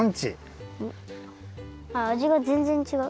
あじがぜんぜんちがう。